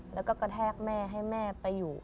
แล้วก็กระแทกแม่ให้แม่ไปอยู่